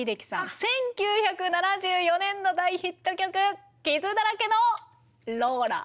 １９７４年の大ヒット曲「傷だらけのローラ」。